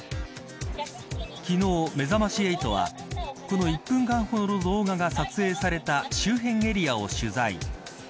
昨日、めざまし８はこの１分間ほどの動画が撮影された周辺エリアを取材。